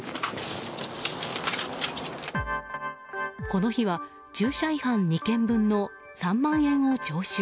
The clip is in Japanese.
この日は駐車違反２件分の３万円を徴収。